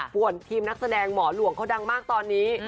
ส่วนทีมนักแสดงหมอหลวงเขาดังมากตอนนี้